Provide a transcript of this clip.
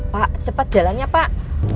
pak cepat jalannya pak